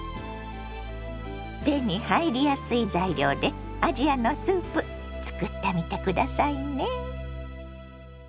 手に入りやすい材料でアジアのスープ作ってみて下さいね。